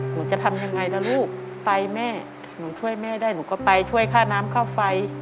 หนูจะทำยังไงล่ะลูกไปแม่หนูช่วยแม่ได้หนูก็ไปช่วยค่าน้ำค่าไฟ